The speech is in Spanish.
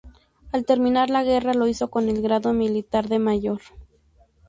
Al terminar la guerra lo hizo con el grado militar de Mayor.